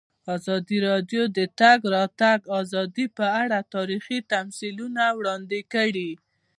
ازادي راډیو د د تګ راتګ ازادي په اړه تاریخي تمثیلونه وړاندې کړي.